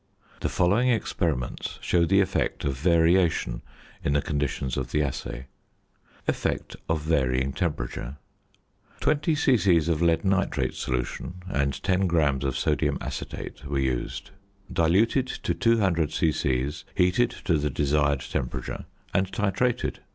The following experiments show the effect of variation in the conditions of the assay: ~Effect of Varying Temperature.~ Twenty c.c. of lead nitrate solution and 10 grams of sodium acetate were used; diluted to 200 c.c., heated to the desired temperature, and titrated.